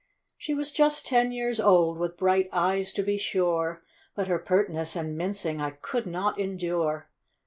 She was just ten years old — with bright eyes, to he , sure, But her pertness and mincing I could not endure.